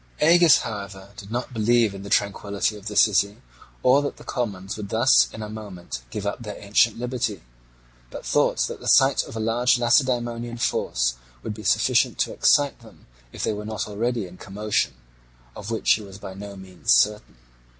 Agis, however, did not believe in the tranquillity of the city, or that the commons would thus in a moment give up their ancient liberty, but thought that the sight of a large Lacedaemonian force would be sufficient to excite them if they were not already in commotion, of which he was by no means certain.